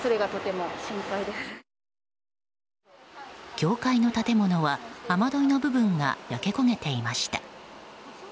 教会の建物は雨どいの部分が焼け焦げていました。